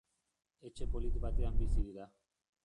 Etxe polit batean bizi dira.